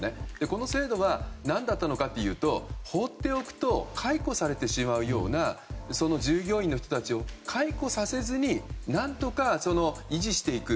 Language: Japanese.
この制度は何だったのかというと放っておくと解雇されてしまうような従業員を解雇させずに何とか維持していく。